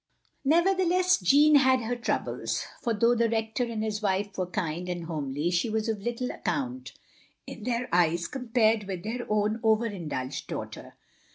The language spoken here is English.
Nevertheless, Jeanne had her troubles; for though the Rector and his wife were kind and homely, she was of little accotint in their eyes compared with their own over indulged daughter.